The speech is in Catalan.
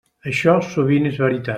Això sovint és veritat.